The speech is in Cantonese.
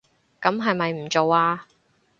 噉係咪唔做吖